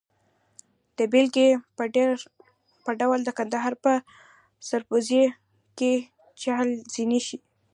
د بېلګې په ډول د کندهار په سرپوزي کې چهل زینې.